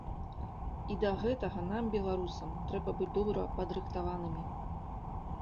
І да гэтага нам, беларусам, трэба быць добра падрыхтаванымі.